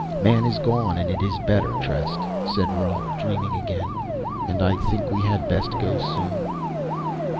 "Man is gone, and it is better, Trest," said Roal, dreaming again. "And I think we had best go soon."